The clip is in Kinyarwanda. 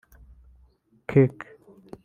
cake